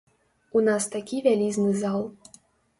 У нас такі вялізны зал.